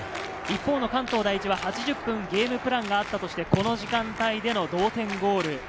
一方の関東第一は８０分ゲームプランがあったとして、この時間帯での同点ゴール。